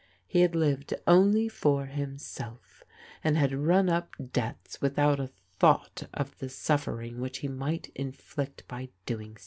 He had lived only for himself, and had run up debts without a thought of the suffering which he might inflict by so doing.